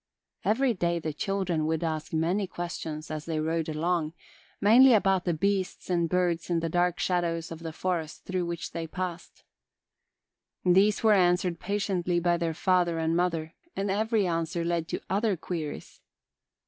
Every day the children would ask many questions, as they rode along, mainly about the beasts and birds in the dark shadows of the forest through which they passed. These were answered patiently by their father and mother and every answer led to other queries.